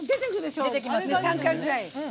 ３回ぐらい。